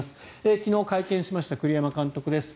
昨日会見した栗山監督です。